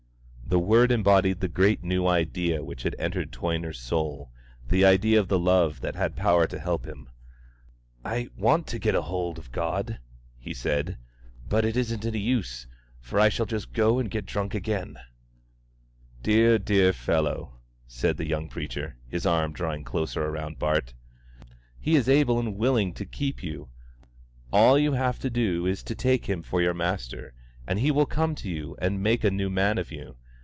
The word embodied the great new idea which had entered Toyner's soul, the idea of the love that had power to help him. "I want to get hold of God," he said; "but it isn't any use, for I shall just go and get drunk again." "Dear, dear fellow," said the young preacher, his arm drawing closer round Bart, "He is able and willing to keep you; all you have to do is to take Him for your Master, and He will come to you and make a new man of you.